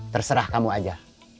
terserah kamu aja